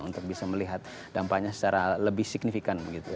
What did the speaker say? untuk bisa melihat dampaknya secara lebih signifikan begitu